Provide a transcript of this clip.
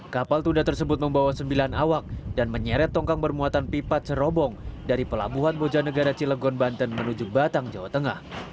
kapal tunda tersebut membawa sembilan awak dan menyeret tongkang bermuatan pipa cerobong dari pelabuhan bojanegara cilegon banten menuju batang jawa tengah